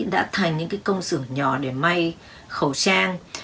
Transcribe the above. đã thành những công sửa nhỏ để mây khẩu trang